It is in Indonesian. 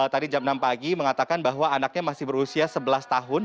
tadi jam enam pagi mengatakan bahwa anaknya masih berusia sebelas tahun